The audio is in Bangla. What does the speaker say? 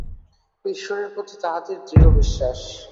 ঈশ্বরের প্রতি তাহাদের দৃঢ় বিশ্বাস।